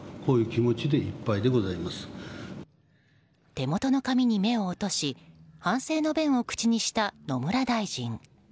手元の紙に目を落とし反省の弁を口にした野村大臣。